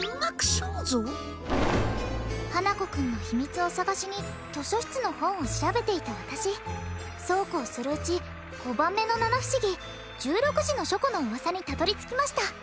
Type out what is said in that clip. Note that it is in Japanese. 花子くんの秘密を探しに図書室の本を調べていた私そうこうするうち五番目の七不思議「１６時の書庫」の噂にたどり着きました